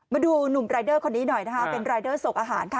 มาดูหนุ่มรายเดอร์คนนี้หน่อยนะคะเป็นรายเดอร์ส่งอาหารค่ะ